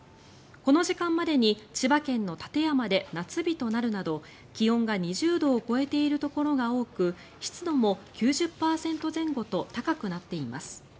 この時間までに千葉県の館山で夏日となるなど気温が２０度を超えているところが多く湿度も９０％前後と高くなっています。